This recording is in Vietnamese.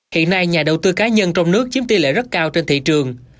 hiện nay nhà đầu tư cá nhân trong nước chiếm tỷ lệ rất cao trên thị trường